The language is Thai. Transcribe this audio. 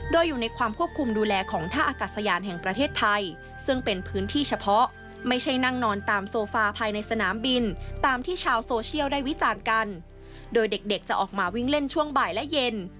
โดยเด็กจะออกมาวิ่งเล่นช่วงบ่ายและเย็น